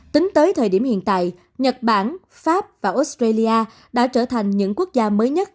tính tới thời điểm hiện tại nhật bản pháp và australia đã trở thành những quốc gia mới nhất